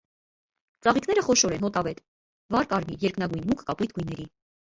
Ծաղիկները խոշոր են, հոտավետ, վառ կարմիր, երկնագույն, մուգ կապույտ գույների։